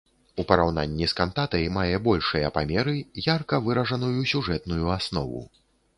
У параўнанні з кантатай мае большыя памеры, ярка выражаную сюжэтную аснову.